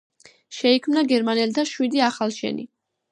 შეიქმნა გერმანელთა შვიდი ახალშენი.